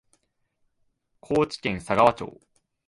高知県佐川町